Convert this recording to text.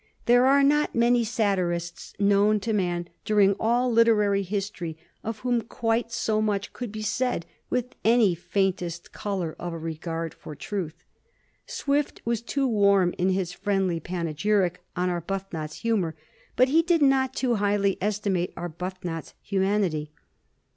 There are not many satirists known to men during all literary history of whom quite BO much could be said with any faintest color of a regard for truth. Swift was too warm in his friendly panegyric on Arbuthnot's humor, but be did not too highly estimate Arbuthnot's humanity.